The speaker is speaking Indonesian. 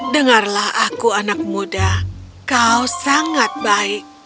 dengarlah aku anak muda kau sangat baik